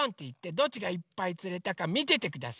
どっちがいっぱいつれたかみててください。